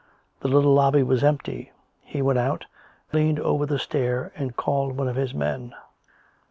The little lobby was empty. He went out, leaned over the stair and called one of his men.